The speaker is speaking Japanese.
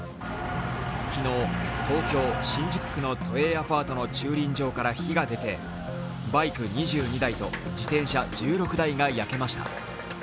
昨日、東京・新宿区の都営アパートの駐輪場から火が出てバイク２２台と自転車１６台が焼けました。